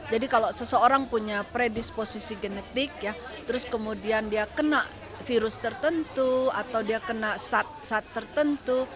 jadi kalau seseorang punya predisposisi genetik ya terus kemudian dia kena virus tertentu atau dia kena sat tertentu